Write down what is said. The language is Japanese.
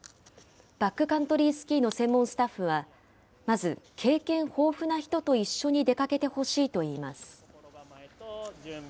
バックカントリースキーの専門スタッフは、まず経験豊富な人と一緒に出かけてほしいと言います。